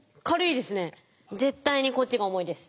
絶対にこっちが重いです。